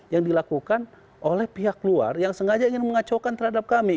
yang dilakukan oleh pihak luar yang sengaja ingin mengacaukan terhadap kami